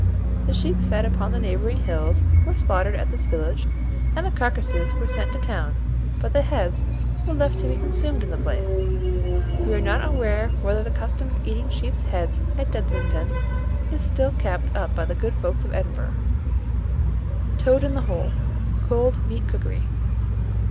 The sheep fed upon the neighbouring hills were slaughtered at this village, and the carcases were sent to town; but the heads were left to be consumed in the place. We are not aware whether the custom of eating sheep's heads at Dudingston is still kept up by the good folks of Edinburgh. TOAD IN THE HOLE (Cold Meat Cookery). 743.